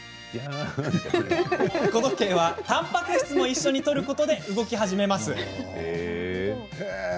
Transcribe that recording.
子時計は、たんぱく質も一緒にとることで動き始めます。